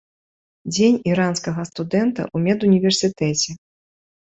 Дзень іранскага студэнта ў медуніверсітэце.